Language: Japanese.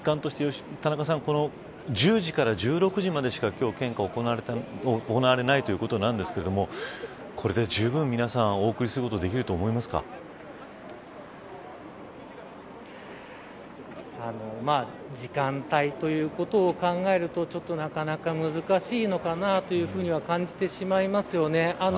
田中さん１０時から１６時までしか今日、献花は行われないということなんですけれどもこれで、じゅうぶん皆さんお送りすること時間帯ということを考えるとなかなか難しいのかなというふうには感じてしまいますよね。